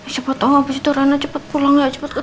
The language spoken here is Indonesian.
cepet dong abis itu rana cepet pulang ya cepet